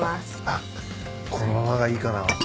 あっこのままがいいかな。